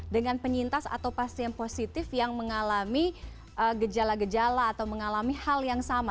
dengan penyintas atau pasien positif yang mengalami gejala gejala atau mengalami hal yang sama